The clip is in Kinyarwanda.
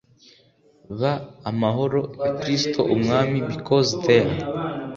b amahoro ya kristu umwami because their